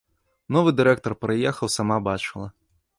Новы дырэктар прыехаў, сама бачыла.